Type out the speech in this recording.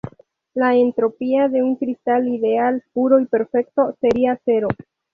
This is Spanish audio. La entropía de un cristal ideal puro y perfecto sería cero.